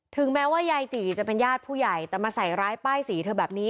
แม้ว่ายายจี่จะเป็นญาติผู้ใหญ่แต่มาใส่ร้ายป้ายสีเธอแบบนี้